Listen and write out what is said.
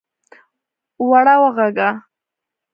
اوړه واغږه!